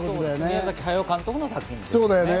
宮崎駿監督の作品ですね。